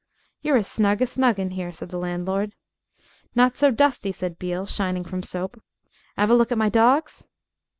"You're as snug as snug in here," said the landlord. "Not so dusty," said Beale, shining from soap; "'ave a look at my dawgs?"